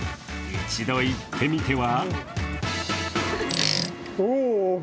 一度行ってみては？